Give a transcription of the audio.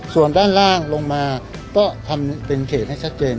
ส่วนด้านล่างลงมาก็ทำเป็นเขตให้ชัดเจน